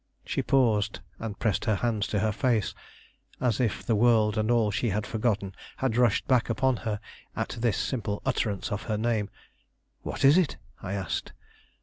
She paused, and pressed her hands to her face, as if the world and all she had forgotten had rushed back upon her at this simple utterance of her name. "What is it?" I asked.